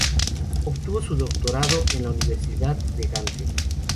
Obtuvo su doctorado en la Universidad de Gante.